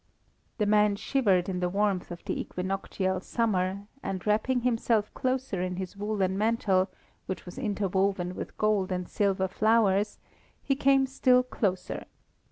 The man shivered in the warmth of the equinoctial summer, and wrapping himself closer in his woollen mantle, which was interwoven with gold and silver flowers, he came still closer.